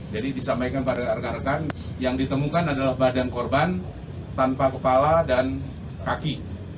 jadi disampaikan pada rekan rekan yang ditemukan adalah badan korban tanpa kepala dan kaki